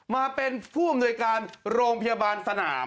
มาเป็นผู้อำนวยการโรงพยาบาลสนาม